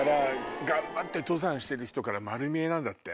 頑張って登山してる人から丸見えなんだって。